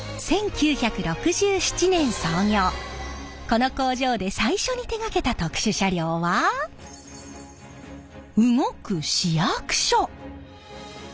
この工場で最初に手がけた特殊車両は動く市役所。